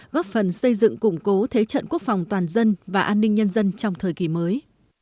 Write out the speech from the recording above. góp phần xây dựng củng cố thế trận quốc phòng toàn dân và an ninh nhân dân trong thời kỳ mới